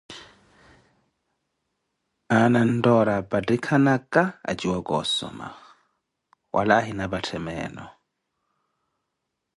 Aana anttoori apattikhanka a juwaka osomma, wala ahina patthe meeno.